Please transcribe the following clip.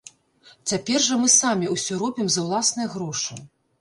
Цяпер жа мы самі ўсё робім за ўласныя грошы.